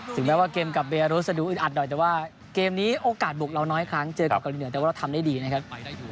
แม้ว่าเกมกับเบรุสจะดูอึดอัดหน่อยแต่ว่าเกมนี้โอกาสบุกเราน้อยครั้งเจอกับเกาหลีเหนือแต่ว่าเราทำได้ดีนะครับ